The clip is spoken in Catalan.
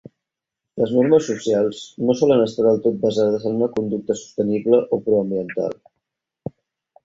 Les normes socials no solen estar del tot basades en una conducta sostenible o pro-ambiental.